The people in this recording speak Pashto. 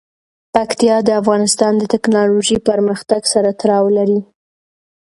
پکتیا د افغانستان د تکنالوژۍ پرمختګ سره تړاو لري.